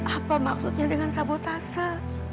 apa maksudnya dengan sabotase